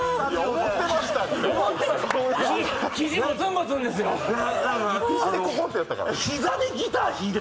思ってましたって。